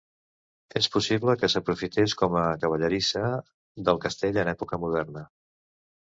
És possible que s'aprofités com a cavallerissa del castell en època moderna.